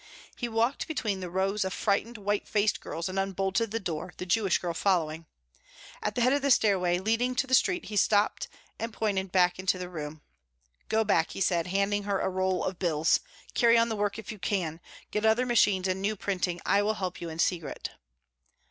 He walked between the rows of frightened, white faced girls and unbolted the door, the Jewish girl following. At the head of the stairway leading to the street he stopped and pointed back into the room. "Go back," he said, handing her a roll of bills. "Carry on the work if you can. Get other machines and new printing. I will help you in secret."